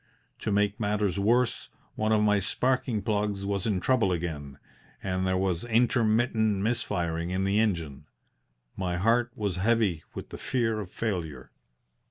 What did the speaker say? To make matters worse, one of my sparking plugs was in trouble again and there was intermittent missfiring in the engine. My heart was heavy with the fear of failure.